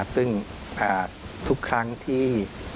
ซึ่งทุกครั้งที่